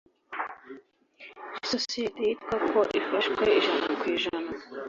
Isosiyete yitwa ko ifashwe ijana ku ijana